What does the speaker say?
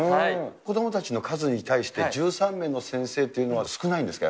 子どもたちの数に対して１３名の先生というのは少ないんです